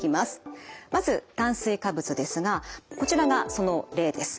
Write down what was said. まず炭水化物ですがこちらがその例です。